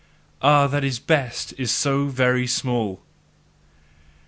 Ah, that his best is so very small!"